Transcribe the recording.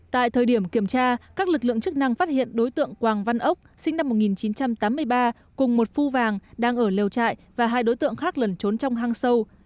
tại thời điểm kiểm tra các lực lượng chức năng phát hiện đối tượng quảng văn ốc sinh năm một nghìn chín trăm tám mươi ba cùng một phu vàng đang ở lều trại và hai đối tượng khác lẩn trốn trong hang sâu